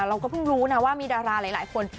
เราก็เพิ่งรู้นะว่ามีดาราหลายคน